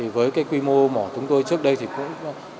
với quy mô mỏ chúng tôi trước đây thì cũng